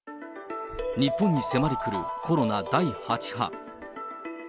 日本に迫り来るコロナ第８波。